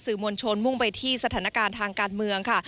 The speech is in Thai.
มวลชนมุ่งไปที่สถานการณ์ทางการเมืองค่ะ